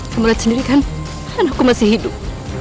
kamu lihat sendiri kan anakku masih hidup